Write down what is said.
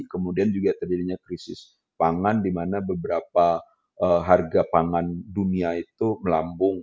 kemudian juga terjadinya krisis pangan di mana beberapa harga pangan dunia itu melambung